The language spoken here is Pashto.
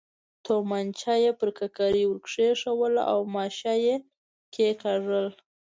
تومانچه یې پر ککرۍ ور کېښووله او ماشه یې کېکاږل.